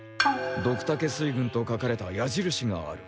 ドクタケ水軍と書かれた矢印がある。